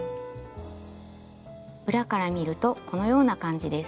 裏から見るとこのような感じです。